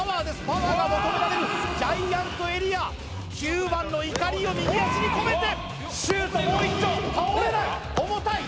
パワーが求められるジャイアントエリア９番の怒りを右足に込めてシュートもういっちょ倒れない重たい